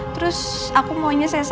terus aku maunya sesar aja